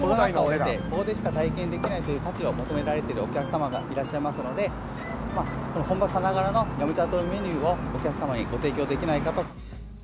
コロナ禍を経て、ここでしか体験できないという価値を求められているお客様がいらっしゃいますので、本場さながらの飲茶というメニューをお客様にご提供できないかと。